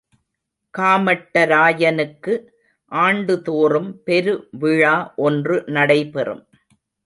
காமட்டராயனுக்கு ஆண்டுதோறும் பெரு விழா ஒன்று நடைபெறும்.